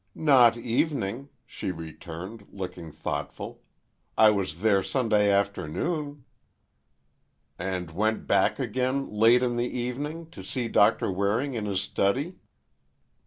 "Not evening," she returned, looking thoughtful. "I was there Sunday afternoon." "And went back again, late in the evening—to see Doctor Waring, in his study."